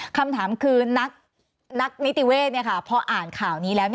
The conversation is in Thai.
คำถามคือนักนิติเวศพออ่านข่าวนี้แล้ว